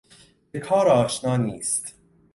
به کار آشنا نیست.